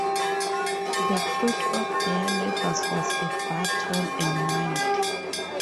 The fruit of their labors was a bar tall and wide.